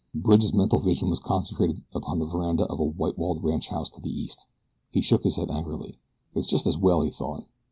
Bridge's mental vision was concentrated upon the veranda of a white walled ranchhouse to the east. He shook his head angrily. "It's just as well," he thought.